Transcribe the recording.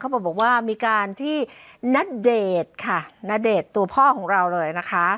เขาบอกว่ามีการที่ณเดชตัวพ่อเลย